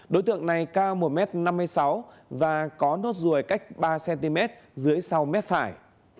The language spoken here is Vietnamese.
đối tượng này cao một m năm mươi sáu và có nốt ruồi cách ba cm dưới sau mép phải